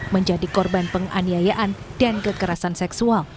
menjadi korban penganiayaan dan kekerasan seksual